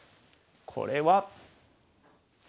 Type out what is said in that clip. これは。